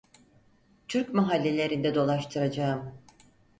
Türk mahallelerinde dolaştıracağım…